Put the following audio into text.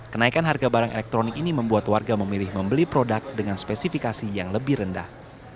kenaikan harga barang elektronik ini membuat warga memilih membeli produk dengan spesifikasi yang lebih rendah